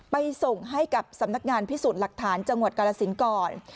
ไปส่งให้กับสำนักงานพิสูจน์หลักฐานจังหวัดกาลสินก่อน